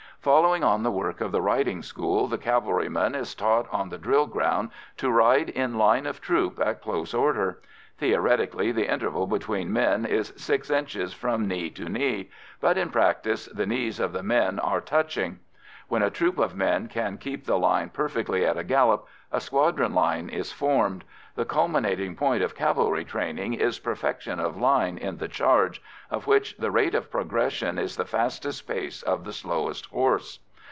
Following on the work of the riding school the cavalryman is taught on the drill ground to ride in line of troop at close order. Theoretically the interval between men is "six inches from knee to knee," but in practice the knees of the men are touching. When a troop of men can keep line perfectly at a gallop, a squadron line is formed; the culminating point of cavalry training is perfection of line in the charge, of which the rate of progression is the fastest pace of the slowest horse.